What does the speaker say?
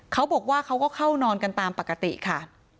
เขาบอกว่าเขาก็เข้านอนกันตามปกติค่ะ